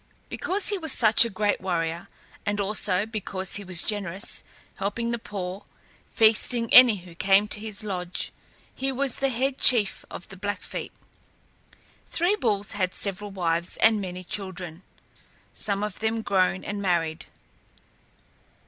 Because he was such a great warrior, and also because he was generous, helping the poor, feasting any who came to his lodge, he was the head chief of the Blackfeet. Three Bulls had several wives and many children, some of them grown and married.